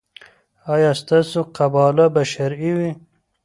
ایا ستاسو قباله به شرعي وي؟